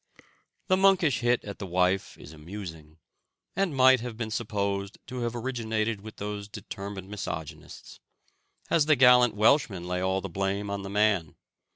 The monkish hit at the wife is amusing, and might have been supposed to have originated with those determined misogynists, as the gallant Welshmen lay all the blame on the man.